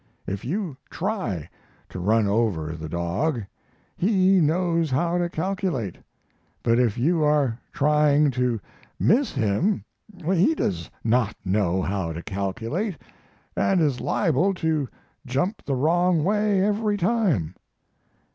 If you try to run over the dog he knows how to calculate, but if you are trying to miss him he does not know how to calculate, and is liable to jump the wrong way every time.